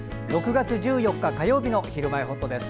６月１４日、火曜日の「ひるまえほっと」です。